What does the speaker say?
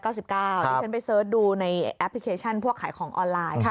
ที่ฉันไปเสิร์ชดูในแอปพลิเคชันพวกขายของออนไลน์